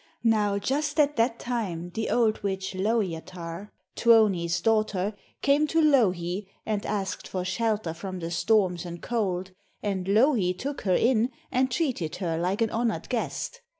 Now just at that time the old witch Lowjatar, Tuoni's daughter, came to Louhi and asked for shelter from the storms and cold, and Louhi took her in and treated her like an honoured guest.